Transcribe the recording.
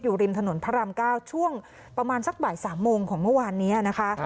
ริมถนนพระราม๙ช่วงประมาณสักบ่าย๓โมงของเมื่อวานนี้นะคะ